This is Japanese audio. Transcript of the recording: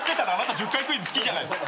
１０回クイズ好きじゃないっすか。